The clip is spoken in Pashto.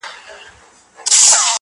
کورنۍ ورو ورو تيت کيږي تل-